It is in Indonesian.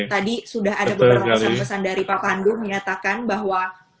tadi sudah ada beberapa pesan pesan dari pak pandu menyatakan bahwa